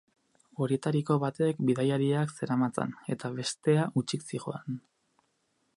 Horietako batek bidaiariak zeramatzan, eta bestea hutsik zihoan.